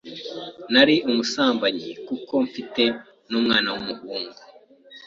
nari umusambanyi kuko mfite n’umwana w’umuhungu